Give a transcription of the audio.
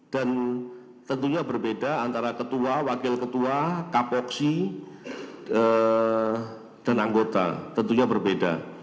dan tentunya berbeda antara ketua wakil ketua kapoksi dan anggota tentunya berbeda